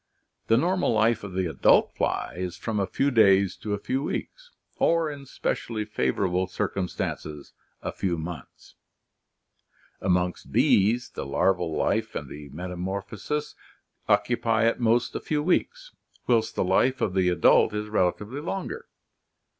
The normal life of the adult fly is from a few days to a few weeks, or in specially favorable circumstances, a few months. ... Amongst bees, the larval life and the metamorphosis occupy at most a few weeks, whilst the life 210 ORGANIC EVOLUTION of the adult is relatively longer.